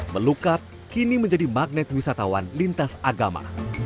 melukap kini menjadi magnet wisatawan lintas agama